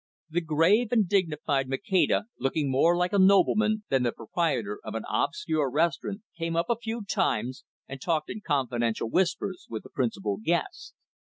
The grave and dignified Maceda, looking more like a nobleman than the proprietor of an obscure restaurant, came up a few times, and talked in confidential whispers with the principal guests.